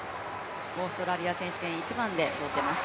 オーストラリア選手権、１番で通っています。